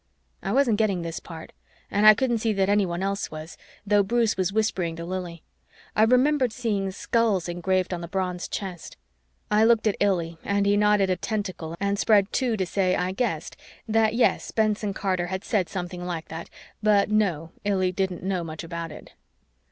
I wasn't getting this part and I couldn't see that anyone else was, though Bruce was whispering to Lili. I remembered seeing skulls engraved on the bronze chest. I looked at Illy and he nodded a tentacle and spread two to say, I guessed, that yes, Benson Carter had said something like that, but no, Illy didn't know much about it.